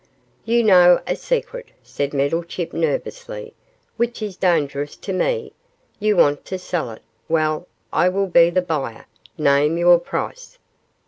'You know a secret,' said Meddlechip, nervously, 'which is dangerous to me; you want to sell it; well, I will be the buyer name your price.